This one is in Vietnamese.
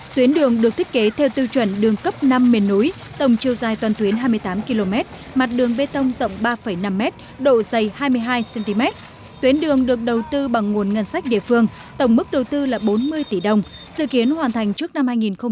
tuyến đường được thiết kế theo tiêu chuẩn đường cấp năm miền núi tổng chiều dài toàn tuyến hai mươi tám km mặt đường bê tông rộng ba năm m độ dày hai mươi hai cm tuyến đường được đầu tư bằng nguồn ngân sách địa phương tổng mức đầu tư là bốn mươi tỷ đồng sự kiến hoàn thành trước năm hai nghìn hai mươi